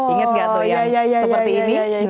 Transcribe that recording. ingat nggak tuh yang seperti ini